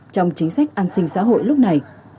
trong chính sách an sinh xã hội lúc này